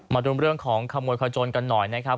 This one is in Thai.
มาดูเรื่องของขโมยขจนกันหน่อยนะครับ